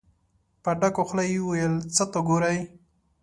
په ډکه خوله يې وويل: څه ته ګورئ؟